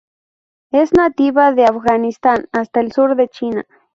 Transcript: Es nativa de Afganistán hasta el sur de China.